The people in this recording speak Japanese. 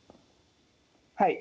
はい。